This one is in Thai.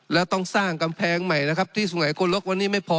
แล้วต้องสร้างกัมแพงใหม่นะครับที่สุ่งแห่งกลลกวันนี้ไม่พอเลยครับ